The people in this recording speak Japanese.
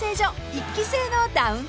１期生のダウンタウン］